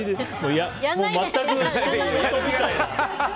全く。